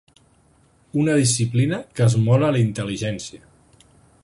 Una disciplina que esmola la intel·ligència.